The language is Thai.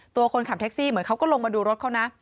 ตัวคนขับแท็กซี่เหมือนเขาก็ลงมาดูรถเขานะ